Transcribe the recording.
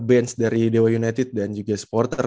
bench dari dewa united dan juga supporter